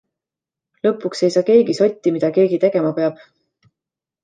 Lõpuks ei saa keegi sotti, mida keegi tegema peab.